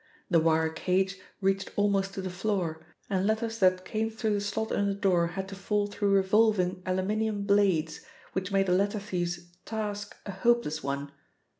The wire cage reached almost to the floor, and letters that came through the slot in the door had to fall through revolving aluminium blades, which made the letter thief's task a hopeless one.